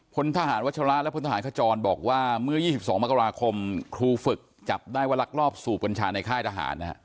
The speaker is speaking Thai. พลทหารวัชระและพลทหารขจรบอกว่าเมื่อ๒๒มกราคมครูฝึกจับได้ว่าลักลอบสูบกัญชาในค่ายทหารนะฮะ